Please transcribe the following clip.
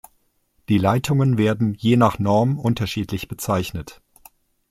Die Leitungen werden je nach Norm unterschiedlich bezeichnet.